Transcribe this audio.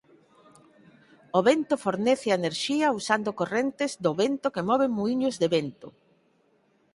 O vento fornece a enerxía usando correntes do vento que moven muíños de vento.